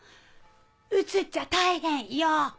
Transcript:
うつっちゃ大変よ。